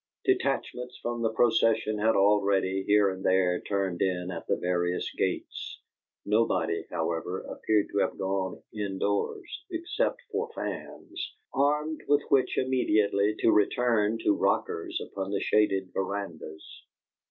Detachments from the procession had already, here and there, turned in at the various gates. Nobody, however, appeared to have gone in doors, except for fans, armed with which immediately to return to rockers upon the shaded verandas.